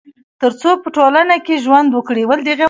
تر څو په ټولنه کي ژوند وکړي